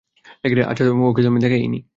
আচ্ছা তাকে তো আমি দেখিই নি।